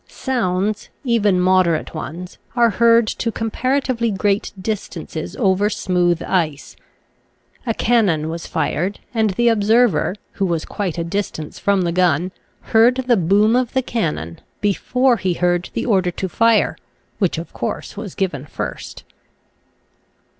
Sounds, even moderate ones, are heard to comparatively great distances over smooth ice. A cannon was fired, and the observer, who was quite a distance from the gun, heard the boom of the cannon before he heard the order to fire, which, of course, was given first.